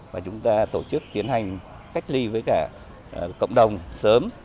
và chúng ta tổ chức tiến hành cách ly với cả cộng đồng sớm